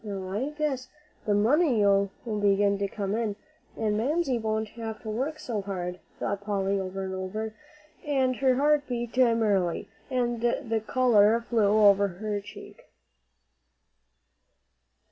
"Now I guess the money'll begin to come in, and Mamsie won't have to work so hard," thought Polly over and over, and her heart beat merrily, and the color flew over her cheek.